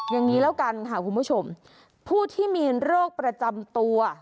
อย่างนี้แล้วกันค่ะคุณผู้ชมผู้ที่มีโรคประจำตัว